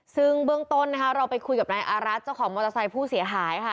ซึ่งเบื้องต้นนะคะเราไปคุยกับนายอารัฐเจ้าของมอเตอร์ไซค์ผู้เสียหายค่ะ